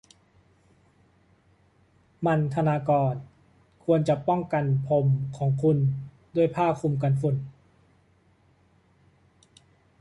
มัณฑนากรควรจะป้องกันพรมของคุณด้วยผ้าคลุมกันฝุ่น